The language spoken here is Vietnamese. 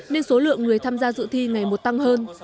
nên số lượng người tham gia dự thi ngày một tăng hơn